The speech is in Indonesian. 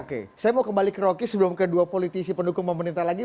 oke saya mau kembali ke rocky sebelum kedua politisi pendukung pemerintah lagi